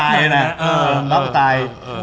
มันจะบับแหลกนะ